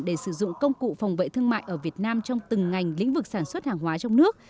để sử dụng công cụ phòng vệ thương mại ở việt nam trong từng ngành lĩnh vực sản xuất hàng hóa trong nước